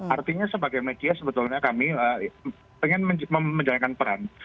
artinya sebagai media sebetulnya kami ingin menjalankan peran